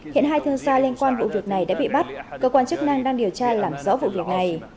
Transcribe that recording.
hiện hai thương gia liên quan vụ việc này đã bị bắt cơ quan chức năng đang điều tra làm rõ vụ việc này